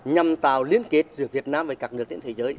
nhằm tạo liên kết giữa việt nam với các nước trên thế giới